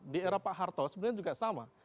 di era pak harto sebenarnya juga sama